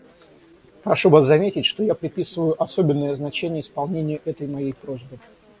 Прошу вас заметить, что я приписываю особенное значение исполнению этой моей просьбы.